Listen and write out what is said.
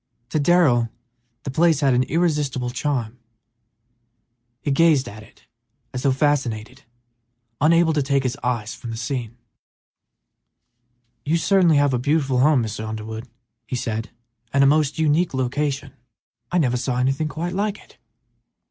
To Darrell the place had an irresistible charm; he gazed at it as though fascinated, unable to take his eyes from the scene. "You certainly have a beautiful home, Mr. Underwood," he said, "and a most unique location. I never saw anything quite like it."